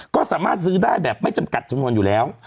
ก็สามารถซื้อได้แบบไม่จำกัดจำนวนอยู่แล้ว